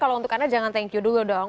kalau untuk anda jangan thank you dulu dong